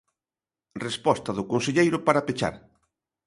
Resposta do conselleiro para pechar.